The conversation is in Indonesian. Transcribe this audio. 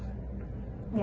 terima kasih pak ustadz